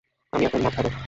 আমি এখন মদ খাবো।